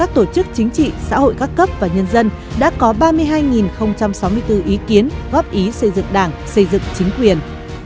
tổ chức chính trị xã hội các cấp và nhân dân đã có ba mươi hai sáu mươi bốn ý kiến góp ý xây dựng đảng xây dựng chính quyền